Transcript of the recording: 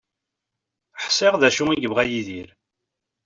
Ḥṣiɣ d acu yebɣa Yidir.